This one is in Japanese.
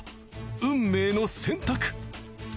運命の選択。